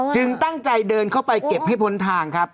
ตั้งใจเดินเข้าไปเก็บให้พ้นทางครับ